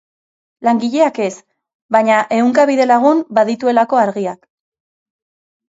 Langileak ez, baina ehunka bidelagun badituelako Argiak.